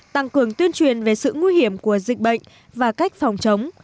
tăng cường tuyên truyền về sự nguy hiểm của dịch bệnh và cách phòng chống